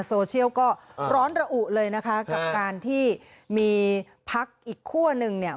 โซเชียลก็ร้อนระอุเลยนะคะกับการที่มีพักอีกคั่วหนึ่งเนี่ย